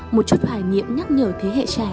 một chút hài niệm nhắc nhở thế hệ trẻ